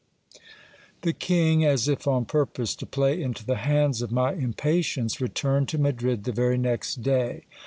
The king, as if on purpose to play into the hands of my impatience, returned to Madrid the very next day.